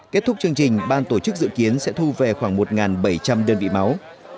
kết thúc chương trình ban tổ chức dự kiến sẽ thu về khoảng một bảy trăm linh đơn vị máu